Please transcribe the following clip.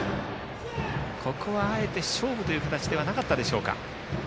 ここはあえて勝負という形ではなかったでしょうか。